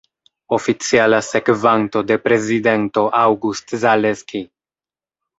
Oficiala sekvanto de prezidento August Zaleski.